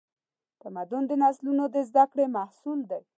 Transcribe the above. تمدن د نسلونو د زدهکړې محصول دی.